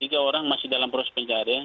tiga orang masih dalam proses pencarian